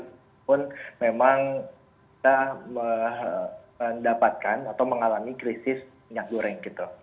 namun memang kita mendapatkan atau mengalami krisis minyak goreng gitu